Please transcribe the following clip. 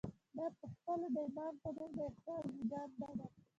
دا پخپله د ايمان په نوم د احساس زېږنده ده.